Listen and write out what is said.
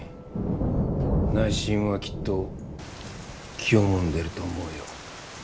内心はきっと気をもんでると思うよ。